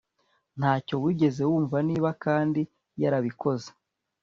Ntacyo wigeze wumva Niba kandi yarabikoze